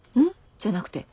じゃなくて。